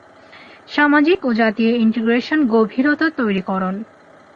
সামাজিক ও জাতীয় ইন্টিগ্রেশন গভীরতা তৈরি করন।